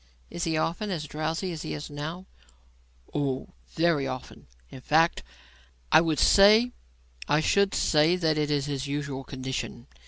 "Is he often as drowsy as he is now?" "Oh, very often; in fact, I should say that is his usual condition.